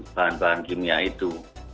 bahan bahan kimia itu